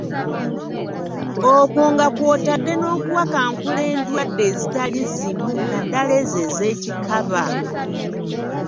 Okwo nga kw'otadde n'okuwakankula endwadde ezitali zimu, naddala ezo ez'ekikaba.